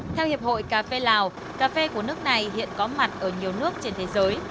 theo hiệp hội cà phê lào cà phê của nước này hiện có mặt ở nhiều nước trên thế giới